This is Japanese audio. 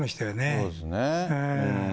そうですね。